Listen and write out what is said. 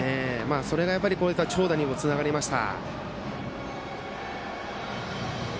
それがこういった長打にもつながりました。